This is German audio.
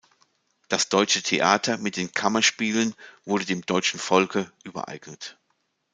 Das Deutsche Theater mit den Kammerspielen wurde „dem deutschen Volke“ übereignet.